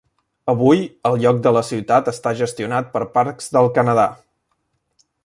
Avui, el lloc de la ciutat està gestionat per Parcs del Canadà.